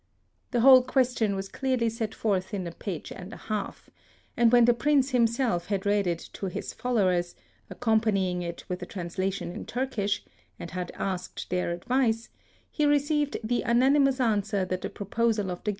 The whole ques tion was clearly set forth in a page and a half; and when the Prince himself had read it to his followers, accompanying it with a translation in Turkish, and had asked their advice, he received the unanimous answer that the proposal of the